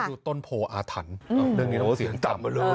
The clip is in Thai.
อยู่ต้นโพออาถรรพ์